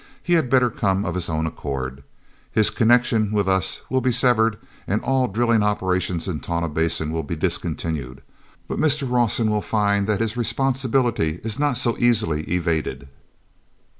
"He had better come of his own accord. His connection with us will be severed and all drilling operations in Tonah Basin will be discontinued, but Mr. Rawson will find that his responsibility is not so easily evaded."